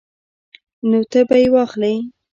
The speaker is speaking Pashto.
نو ته به یې واخلې